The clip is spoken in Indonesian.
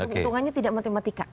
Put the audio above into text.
keuntungannya tidak matematika